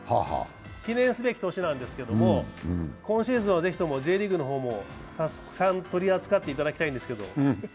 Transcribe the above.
記念すべき年なんですけれども今シーズンはぜひともＪリーグの方もたくさん取り扱っていただきたいんですけど。